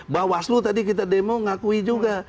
bawaslu tadi kita demo ngakui juga